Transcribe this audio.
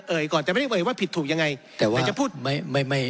ก่อนแต่ไม่ได้เอ่ยว่าผิดถูกยังไงแต่ว่าจะพูดไม่ไม่ไม่